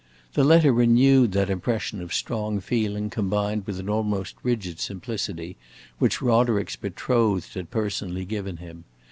The letter renewed that impression of strong feeling combined with an almost rigid simplicity, which Roderick's betrothed had personally given him.